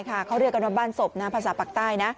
เขาเรียกกันว่าบ้านศพภาษาปากใต้นะ